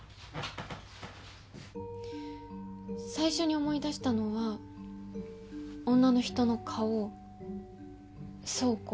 最初に思い出したのは女の人の顔倉庫。